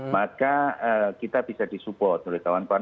maka kita bisa disupport oleh kawan kawan